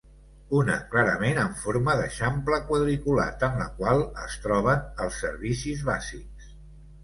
Una clarament en forma d'eixample quadriculat en la qual es troben els servicis bàsics.